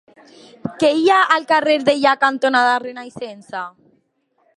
Què hi ha al carrer Deià cantonada Renaixença?